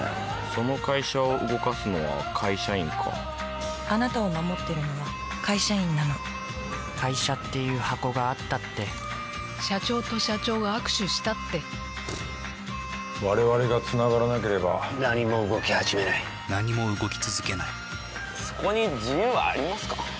その会社を動かすのは会社員かあなたを守ってるのは、会社員なの会社っていう箱があったって社長と社長が握手したって我々がつながらなければ何も動きはじめない何も動き続けないそこに自由はありますか？